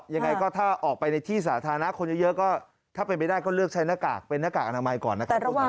ยังไงก็ถ้าออกไปในที่สาธารณะคนเยอะก็ถ้าเป็นไปได้ก็เลือกใช้หน้ากากเป็นหน้ากากอนามัยก่อนนะครับ